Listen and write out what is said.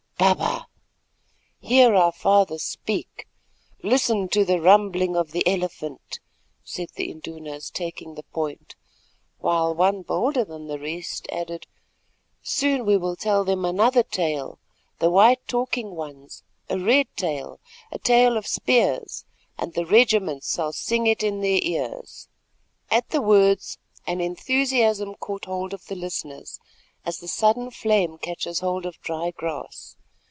"Baba! Hear our Father speak. Listen to the rumbling of the Elephant," said the Indunas taking the point, while one bolder than the rest added: "Soon we will tell them another tale, the white Talking Ones, a red tale, a tale of spears, and the regiments shall sing it in their ears." At the words an enthusiasm caught hold of the listeners, as the sudden flame catches hold of dry grass.